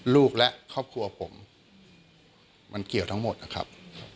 ลูกและครอบครัวผมมันเกี่ยวทั้งหมดนะครับ